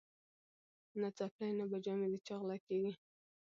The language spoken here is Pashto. نه څپلۍ نه به جامې د چا غلاکیږي